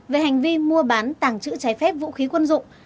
về hành vi mua bán tàng trữ trái phép vũ khí quân dụng